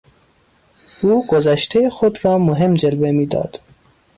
او گذشتهی خود را مهم جلوه میداد.